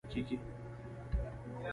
کیمیاګر د سانتیاګو لارښود کیږي.